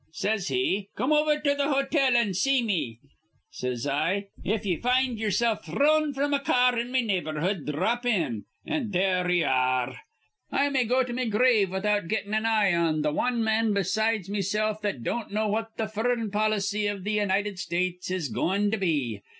Says he, 'Come over to th' hotel an' see me.' Says I, 'If ye find ye'ersilf thrun fr'm a ca ar in me neighborhood, dhrop in.' An' there ye ar re. "I may niver see him. I may go to me grave without gettin' an' eye on th' wan man besides mesilf that don't know what th' furrin' policy iv th' United States is goin' to be.